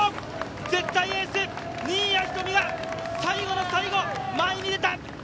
絶対エース・新谷仁美が最後の最後前に出た。